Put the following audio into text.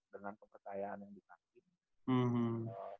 dengan kepercayaan yang dikasih